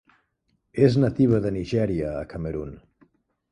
És nativa de Nigèria a Camerun.